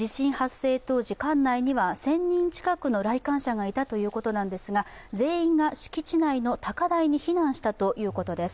館内には１０００人近くの来館者がいたということなんですが、全員が敷地内の高台に避難したということです。